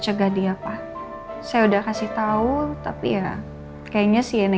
jadi you're just